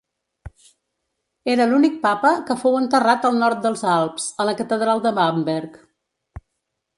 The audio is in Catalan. Era l'únic papa que fou enterrat al nord dels Alps, a la catedral de Bamberg.